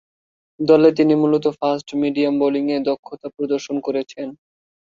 দলে তিনি মূলতঃ ফাস্ট মিডিয়াম বোলিংয়ে দক্ষতা প্রদর্শন করেছেন।